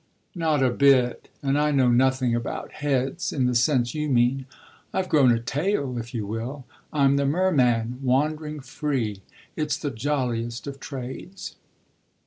"Not a bit, and I know nothing about heads in the sense you mean. I've grown a tail if you will; I'm the merman wandering free. It's the jolliest of trades!"